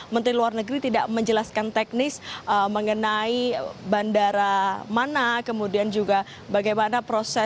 menteri luar negeri tidak menjelaskan teknis mengenai bandara mana kemudian juga bagaimana proses